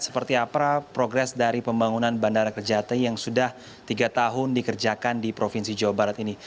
seperti apa progres dari pembangunan bandara kerjati yang sudah tiga tahun dikerjakan di provinsi jawa barat ini